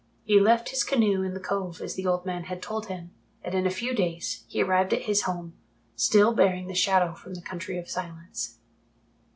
He left his canoe in the cove as the old man had told him, and in a few days he arrived at his home, still bearing the Shadow from the Country of Silence.